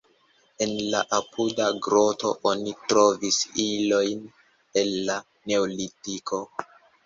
En la apuda groto oni trovis ilojn el la neolitiko.